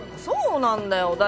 そうなんだよ。